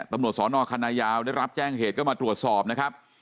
ตำรวจสอนอคณะยาวได้รับแจ้งเหตุก็มาตรวจสอบนะครับ